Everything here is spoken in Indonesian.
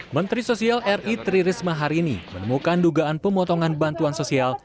menteri sosial ri tri risma hari ini menemukan dugaan pemotongan bantuan sosial